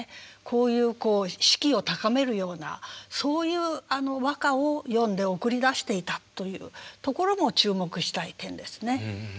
こういう士気を高めるようなそういう和歌を詠んで送り出していたというところも注目したい点ですね。